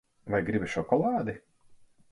Vai gribi šokolādi?